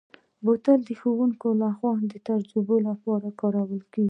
بوتل د ښوونکو لخوا د تجربو لپاره کارېږي.